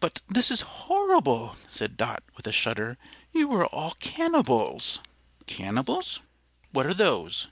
"But this is horrible," said Dot, with a shudder. "You are all cannibals!" "Cannibals! What are those?"